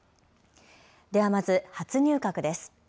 ではまず、初入閣です。